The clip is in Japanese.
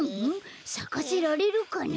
さかせられるかな？